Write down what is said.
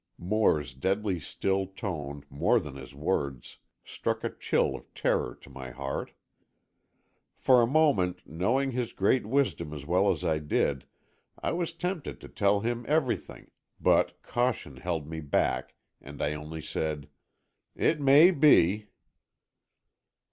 Moore's deadly still tone, more than his words, struck a chill of terror to my heart. For a moment, knowing his great wisdom as well as I did, I was tempted to tell him everything, but caution held me back, and I only said, "it may be."